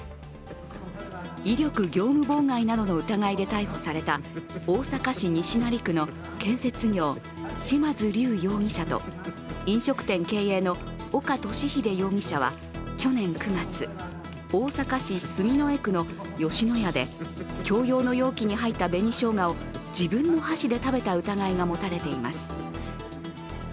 威力業務妨害などの疑いで逮捕された大阪市西成区の建設業・嶋津龍容疑者と飲食店経営の岡敏秀容疑者は去年９月、大阪市住之江区の吉野家で共用の容器に入った紅しょうがを自分の箸で食べた疑いが持たれています。